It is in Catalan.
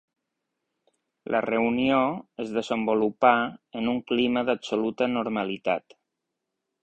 La reunió es desenvolupà en un clima d’absoluta normalitat.